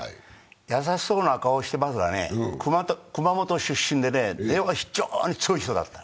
優しそうな顔してますがね、熊本出身でね、根は非常に強い人だった。